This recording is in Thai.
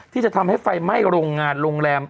ที่จะทำให้ไฟไหม้โรงงานโรงแรม